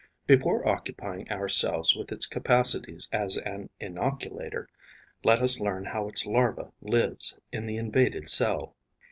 Before occupying ourselves with its capacities as an inoculator, let us learn how its larva lives in the invaded cell.